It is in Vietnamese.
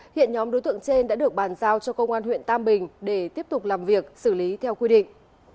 hiện nhóm đối tượng trên đã được bàn giao cho công an huyện tam bình để tiếp tục làm việc xử lý theo quy định